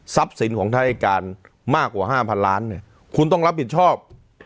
ทรัพย์สินของทหารให้การมากกว่า๕๐๐๐ล้านคุณต้องรับผิดชอบ